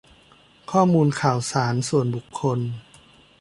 ข้อมูลข่าวสารส่วนบุคคล